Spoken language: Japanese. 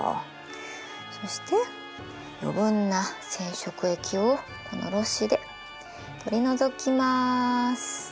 そして余分な染色液をこのろ紙で取り除きます。